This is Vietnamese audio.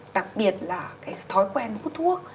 đặc biệt là cái thói quen hút thuốc